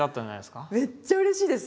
めっちゃうれしいです。